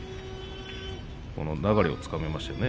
この流れをつかみましたよね。